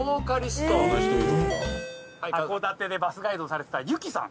函館でバスガイドをされてたＹＵＫＩさん。